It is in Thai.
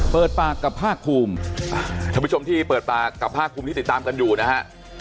เปิดปากกับภาคภูมิท่านผู้ชมที่เปิดปากกับภาคภูมิที่ติดตามกันอยู่นะฮะ